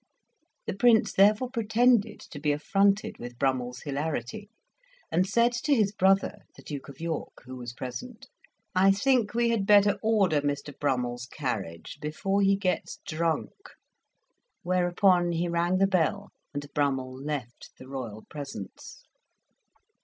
The Prince therefore pretended to be affronted with Brummell's hilarity, and said to his brother, the Duke of York, who was present, "I think we had better order Mr. Brummell's carriage before he gets drunk." Whereupon he rang the bell, and Brummell left the royal presence.